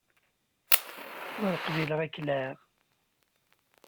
Ur qbileɣ ad k-laɛiɣ!